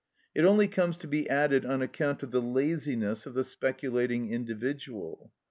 It only comes to be added on account of the laziness of the speculating individual.